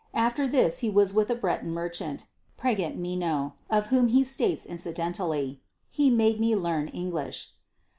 After this he was with a Breton merchant, Pregent Meno, of whom he states incidentally: "he made me learn English."